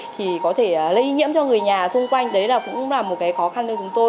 thì có thể lây nhiễm cho người nhà xung quanh đấy là cũng là một cái khó khăn cho chúng tôi